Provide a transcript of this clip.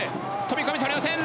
飛び込み捕れません。